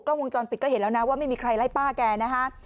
วงจรปิดก็เห็นแล้วนะว่าไม่มีใครไล่ป้าแกนะฮะ